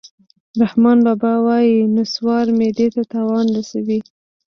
رحمان بابا وایي: نصوار معدې ته تاوان رسوي